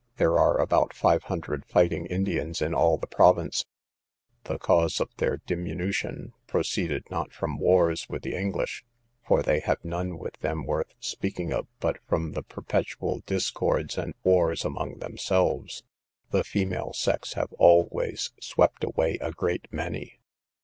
There are about 500 fighting Indians in all the province; the cause of their diminution proceeded not from wars with the English, for they have none with them worth speaking of, but from the perpetual discords and wars among themselves. The female sex have always swept away a great many.